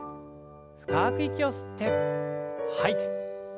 深く息を吸って吐いて。